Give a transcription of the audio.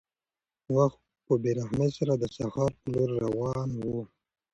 وخت په بې رحمۍ سره د سهار په لور روان و.